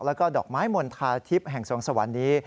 แล้วก็ดอกไม้มณฑาทิพย์แห่งสวงสวรรค์นี้